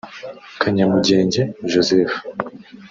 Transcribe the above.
Kanyamugenge Joseph